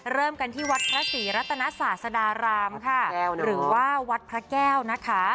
เริ่มกันที่วัดพระศรีรัตนศาสดารามค่ะหรือว่าวัดพระแก้วนะคะ